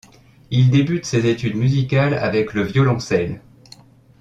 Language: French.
Il débute ses études musicales avec le violoncelle.